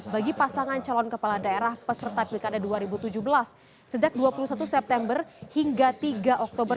bagi pasangan calon kepala daerah peserta pilkada dua ribu tujuh belas sejak dua puluh satu september hingga tiga oktober